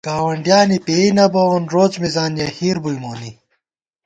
گاوَنڈیانے پېئ نہ بَوون روڅ مِزان یَہ ہِیر بُئی مونی